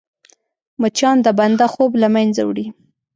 مچان د بنده خوب له منځه وړي